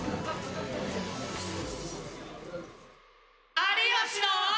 ・有吉の！